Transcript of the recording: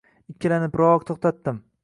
Ikkilanibroq to‘xtatdim.